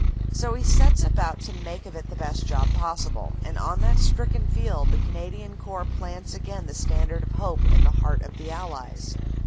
So he sets about to 292 CANADA S HUNDRED DAYS make of it the best job possible, and on that stricken field the Canadian Corps plants again the standard of hope in the heart of the Allies.